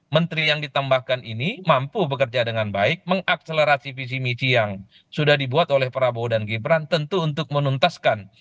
menteri yang ditambahkan ini mampu bekerja dengan baik mengakselerasi visi misi yang sudah dibuat oleh prabowo dan gibran tentu untuk menuntaskan